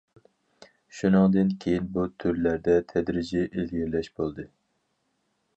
شۇنىڭدىن كېيىن، بۇ تۈرلەردە تەدرىجىي ئىلگىرىلەش بولدى.